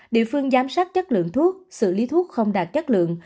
địa phương giám sát chất lượng thuốc xử lý thuốc không đạt chất lượng